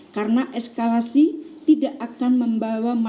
karena eskalasi tidak akan membawa masalah